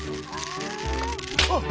あっ！